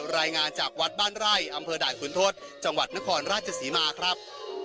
รายงานจากวัดบ้านไร่อำเภอด่านขุนทศจังหวัดนครราชศรีมาครับ